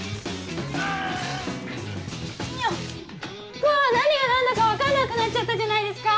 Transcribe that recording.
うわ何が何だか分からなくなっちゃったじゃないですか！